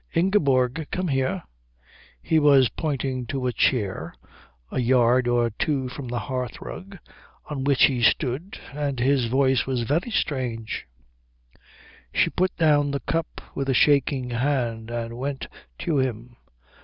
"Ingeborg, come here." He was pointing to a chair a yard or two from the hearthrug on which he stood, and his voice was very strange. She put down the cup with a shaking hand and went to him.